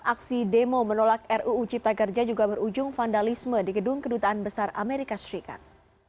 aksi demo menolak ruu cipta kerja juga berujung vandalisme di gedung kedutaan besar amerika serikat